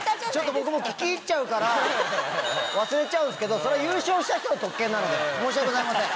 僕も聞き入っちゃうから忘れちゃうんですけどそれ優勝した人の特権なので申し訳ございません。